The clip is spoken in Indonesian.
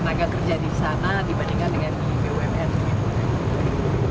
apa tenaga kerja di sana dibandingkan dengan di bumn